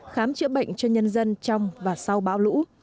khám chữa bệnh cho nhân dân trong và sau bão lũ